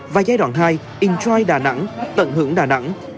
và giai đoạn hai intrai đà nẵng tận hưởng đà nẵng